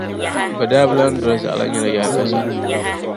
bɛ daa bi lan doli zaɣila nyɛla yaakaza.